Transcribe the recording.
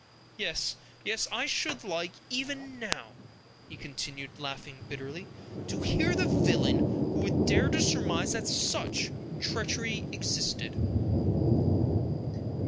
Yes, yes, I should like, even now," he continued, laughing bitterly, "to hear the villain who would dare to surmise that such treachery existed!"